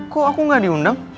kok aku gak diundang